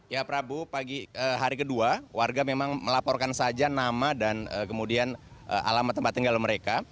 ya prabu pagi hari kedua warga memang melaporkan saja nama dan kemudian alamat tempat tinggal mereka